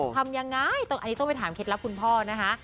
ทำอย่างไรต้องไปถามเคล็ดลับคุณพ่อนะคะ